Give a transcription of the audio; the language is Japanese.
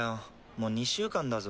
もう２週間だぞ。